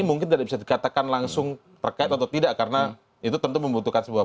mungkin tidak bisa dikatakan langsung terkait atau tidak karena itu tentu membutuhkan sebuah